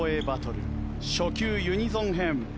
バトル初級ユニゾン編。